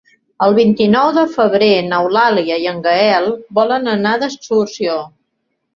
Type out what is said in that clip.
El vint-i-nou de febrer n'Eulàlia i en Gaël volen anar d'excursió.